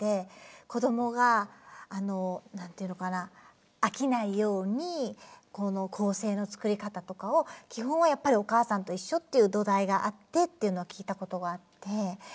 こどもが何て言うのかな飽きないように構成の作り方とかを基本はやっぱり「おかあさんといっしょ」っていう土台があってっていうのは聞いたことがあって。